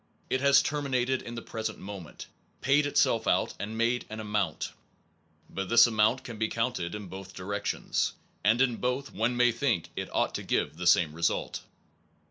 It has terminated in the present moment, paid itself out and made an amount. But this amount can be counted in both directions; and in both, one may think it ought to give the same result.